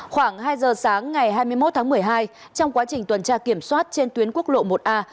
khoảng hai giờ sáng ngày hai mươi một tháng một mươi hai trong quá trình tuần tra kiểm soát trên tuyến quốc lộ một a